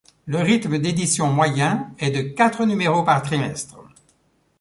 Le rythme d'édition moyen est de quatre numéros par trimestre.